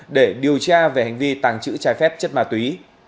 để điều tra về hành vi tàng trữ trái phép chất ma túy